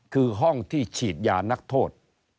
คือห้องที่ฉีดยานักโทษ